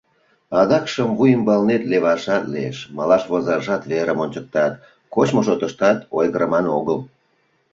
Адакшым вуй ӱмбалнет левашат лиеш, малаш возашат верым ончыктат, кочмо шотыштат ойгырыман огыл.